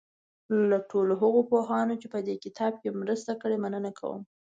له ټولو هغو پوهانو چې په دې کتاب کې مرسته کړې مننه کوم.